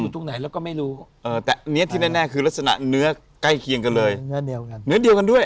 ไปแล้วก็ไม่รู้เนื้อที่น่าคือก็ลาสนะเนื้อใกล้เคียงกันเลยเนื้อเดียวกันเนื้อเดียวกันด้วย